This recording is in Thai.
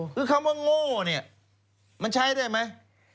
คือคำว่าโง่เนี่ยมันใช้ได้ไหม